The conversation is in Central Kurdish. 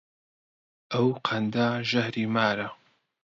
ئەو قەندە ژەهری مارە